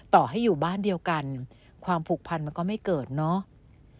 ต่อให้อยู่บ้านเดียวกันความผูกพันมันก็ไม่เกิดเนาะ